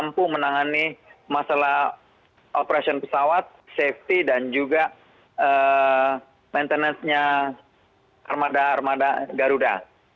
mampu menangani masalah operasion pesawat safety dan juga maintenance nya armada armada garuda